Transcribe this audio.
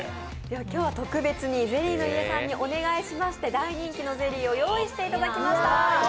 今日は特別にゼリーのイエさんにお願いしまして大人気のゼリーを用意していただきました。